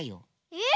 えっ？